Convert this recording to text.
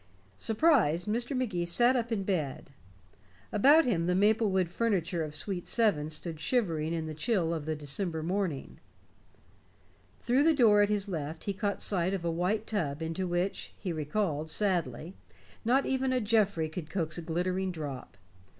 Surprised, Mr. Magee sat up in bed. About him, the maple wood furniture of suite seven stood shivering in the chill of a December morning. Through the door at his left he caught sight of a white tub into which, he recalled sadly, not even a Geoffrey could coax a glittering drop.